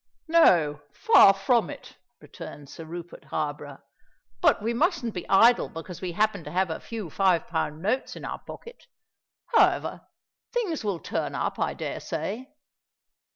"No—far from it," returned Sir Rupert Harborough. "But we musn't be idle because we happen to have a few five pound notes in our pocket. However, things will turn up, I dare say."